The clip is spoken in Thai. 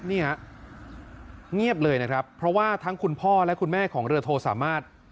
เงียบเลยนะครับเพราะว่าทั้งคุณพ่อและคุณแม่ของเรือโทสามารถ